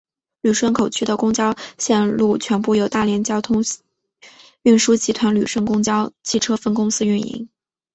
旅顺口区的公交线路全部由大连交通运输集团旅顺公交汽车分公司运营。